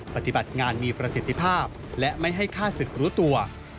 ปฏิบัติงานมีประสิทธิภาพและไม่ให้ฆ่าศึกรู้ตัว